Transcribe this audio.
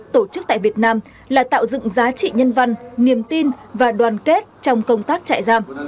tổ chức tại việt nam là tạo dựng giá trị nhân văn niềm tin và đoàn kết trong công tác trại giam